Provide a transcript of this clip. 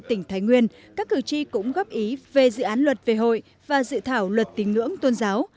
tỉnh thái nguyên các cử tri cũng góp ý về dự án luật về hội và dự thảo luật tín ngưỡng tôn giáo